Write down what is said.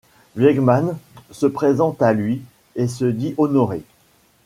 Wiegman se présente à lui et se dit honoré.